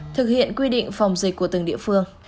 thực hiện quy định phòng dịch của từng địa phương